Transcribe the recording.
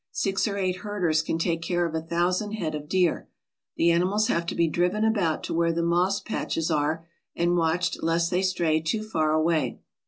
Six or eight herders can take care of a thousand head of deer. The animals have to be driven about to where the moss patches are and watched lest they stray too far away.